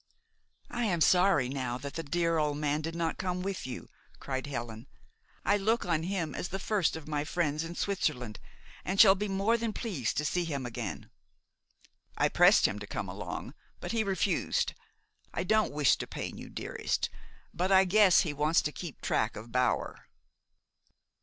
"I am sorry now that the dear old man did not come with you," cried Helen. "I look on him as the first of my friends in Switzerland, and shall be more than pleased to see him again." "I pressed him to come along; but he refused. I don't wish to pain you, dearest, but I guess he wants to keep track of Bower."